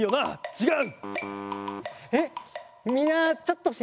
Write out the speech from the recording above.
ちがう！